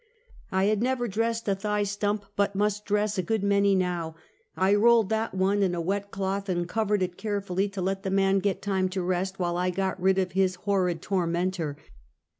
I had never dressed a thigh stump, but must dress a good many now; I rolled that one in a wet cloth, and covered it carefully, to let the man get time to rest, while I got rid of his horrid tormentor.